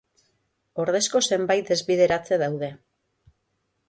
Ordezko zenbait desbideratze daude.